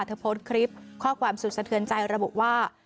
โพสต์คลิปข้อความสุดสะเทือนใจระบุว่า